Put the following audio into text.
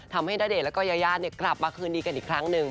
ทำให้ณเดชน์และก็ยายาเนี่ยกลับมาคืนดีกันอีกครั้งนึง